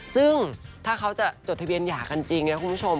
ซึ่งถ้าเขาจะจดทะเบียนหย่ากันจริงนะคุณผู้ชม